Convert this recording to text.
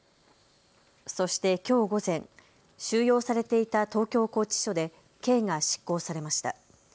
そしてきょう午前、収容されていた東京拘置所で刑が執行されました。